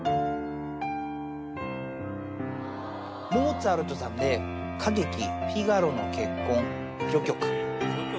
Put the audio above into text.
モーツァルトさんで歌劇フィガロの結婚序曲。